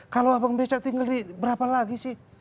kalau abang beca tinggal di berapa lagi sih